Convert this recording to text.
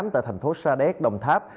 tại thành phố sa đéc đồng tháp